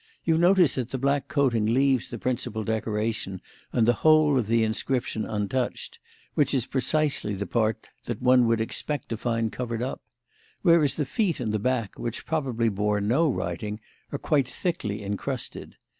You notice that the black coating leaves the principal decoration and the whole of the inscription untouched, which is precisely the part that one would expect to find covered up; whereas the feet and the back, which probably bore no writing, are quite thickly encrusted.